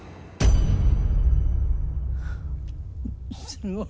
すごい。